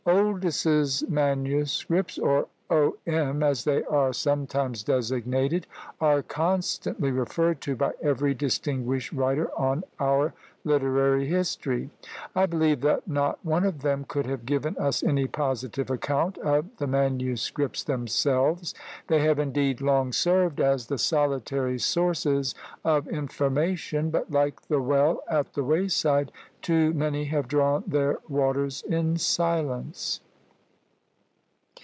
Oldys's manuscripts, or O. M. as they are sometimes designated, are constantly referred to by every distinguished writer on our literary history. I believe that not one of them could have given us any positive account of the manuscripts themselves! They have indeed long served as the solitary sources of information but like the well at the wayside, too many have drawn their waters in silence.